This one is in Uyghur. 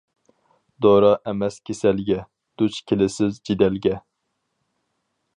دورا ئەمەس كېسەلگە، دۇچ كېلىسىز جېدەلگە.